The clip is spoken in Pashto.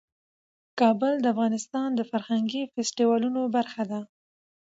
کابل د افغانستان د فرهنګي فستیوالونو برخه ده.